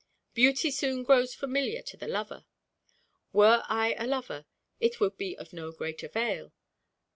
"Beauty soon grows familiar to the lover." Were I a lover, it would be of no great avail.